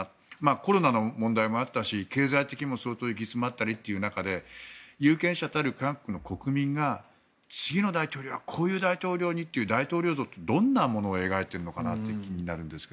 コロナの問題もあったし経済的にも相当行き詰まったりという中で有権者たる韓国の国民が次の大統領はこういう大統領にという大統領像ってどんなものを描いているのかなって気になるんですが。